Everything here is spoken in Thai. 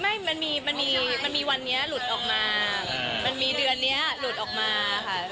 มันมีมันมีวันนี้หลุดออกมามันมีเดือนนี้หลุดออกมาค่ะ